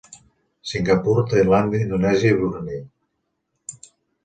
Singapur, Tailàndia, Indonèsia i Brunei.